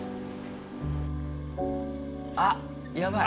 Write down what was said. あっやばい！